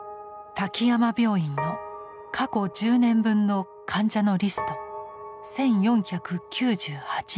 滝山病院の過去１０年分の患者のリスト１，４９８人。